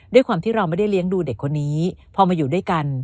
ด้วยความที่เราไม่ได้เลี้ยงดูเด็กคนนี้พอมาอยู่ด้วยกัน